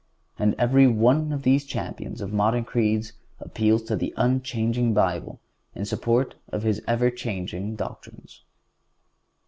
And every one of these champions of modern creeds appeals to the unchanging Bible in support of his ever changing doctrines.